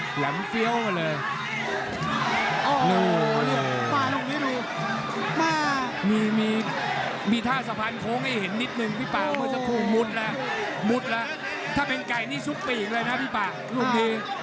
ถ้าเป็นไก่นี้คงมีคนดังพี่ป่าว